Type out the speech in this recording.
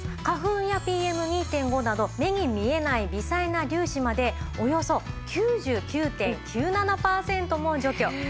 花粉やＰＭ２．５など目に見えない微細な粒子までおよそ９９．９７パーセントも除去。